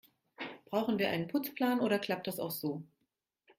Brauchen wir einen Putzplan, oder klappt das auch so?